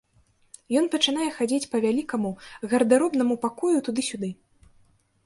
Ён пачынае хадзіць па вялікаму гардэробнаму пакою туды-сюды.